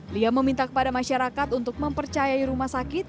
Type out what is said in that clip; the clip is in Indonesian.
lia meminta kepada masyarakat untuk mempercayai rumah sakit